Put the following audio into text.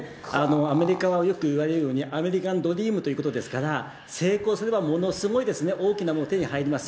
アメリカはよくいわれるように、アメリカンドリームということですから、成功すればものすごいですね、大きなものが手に入ります。